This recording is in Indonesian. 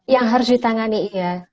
yang harus ditangani ya